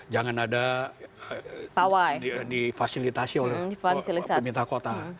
jangan ada difasilitasi oleh pemerintah kota